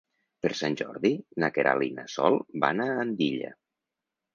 Per Sant Jordi na Queralt i na Sol van a Andilla.